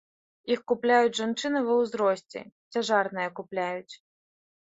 Іх купляюць жанчыны ва ўзросце, цяжарныя купляюць.